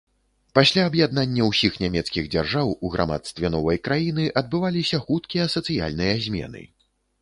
Пасля аб'яднання ўсіх нямецкіх дзяржаў, у грамадстве новай краіны адбываліся хуткія сацыяльныя змены.